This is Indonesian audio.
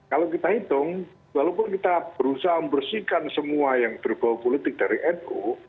kalau kita hitung walaupun kita berusaha membersihkan semua yang berbau politik dari nu